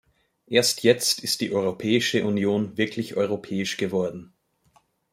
Erst jetzt ist die Europäische Union wirklich europäisch geworden.